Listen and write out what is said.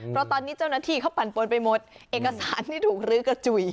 เพราะตอนนี้เจ้าหน้าที่เขาปั่นปนไปหมดเอกสารที่ถูกลื้อกระจุย